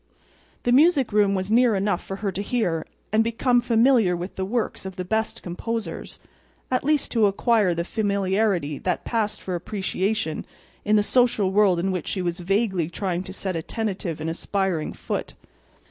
The music room was near enough for her to hear and become familiar with the works of the best composers—at least to acquire the familiarity that passed for appreciation in the social world in which she was vaguely trying to set a tentative and aspiring foot.